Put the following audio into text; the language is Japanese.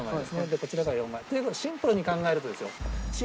こちらが４枚。という事はシンプルに考えるとですよ？